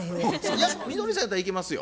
いやみどりさんやったらいけますよ。